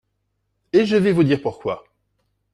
et je vais vous dire pourquoi.